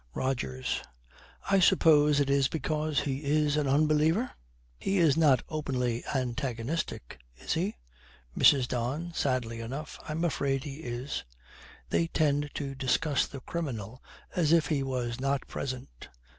ROGERS. 'I suppose it is because he is an unbeliever? He is not openly antagonistic, is he?' MRS. DON, sadly enough, 'I am afraid he is.' They tend to discuss the criminal as if he was not present.